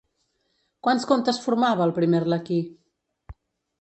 Quants contes formava El primer arlequí?